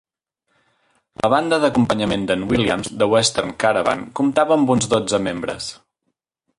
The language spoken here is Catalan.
La banda d'acompanyament d'en Williams, The Western Caravan, comptava amb uns dotze membres.